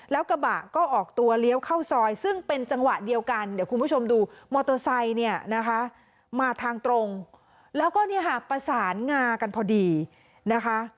แล้วกระบะก็ออกตัวเลี้ยวเข้าซอยซึ่งเป็นจังหวะเดียวกันเดี๋ยวคุณผู้ชมดูมอเตอร์ไซค์เนี่ยนะคะมาทางตรงแล้วก็เนี่ยค่ะประสานงากันพอดีนะคะ